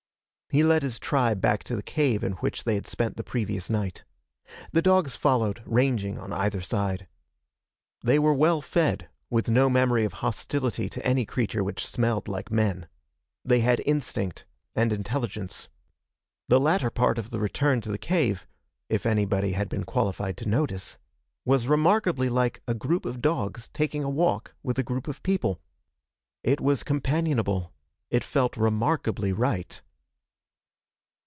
He led his tribe back to the cave in which they had spent the previous night. The dogs followed, ranging on either side. They were well fed, with no memory of hostility to any creature which smelled like men. They had instinct and intelligence. The latter part of the return to the cave if anybody had been qualified to notice was remarkably like a group of dogs taking a walk with a group of people. It was companionable. It felt remarkably right.